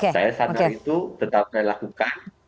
saya sadar itu tetap dilakukan